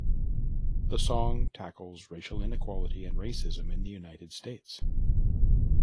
The song tackles racial inequality and racism in the United States.